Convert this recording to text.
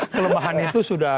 kelemahan itu sudah